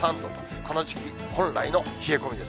この時期本来の冷え込みです。